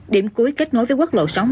điểm cuối kết nối với quốc lộ sáu mươi